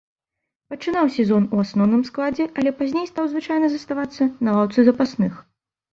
Пачынаў сезон у асноўным складзе, але пазней стаў звычайна заставацца на лаўцы запасных.